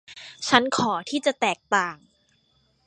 ฉันขอที่จะแตกต่าง